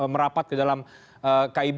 merapat ke dalam kib